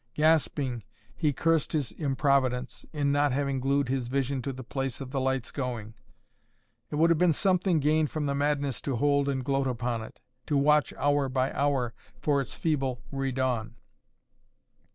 Gasping, he cursed his improvidence, in not having glued his vision to the place of the light's going. It would have been something gained from madness to hold and gloat upon it, to watch hour by hour for its feeble redawn.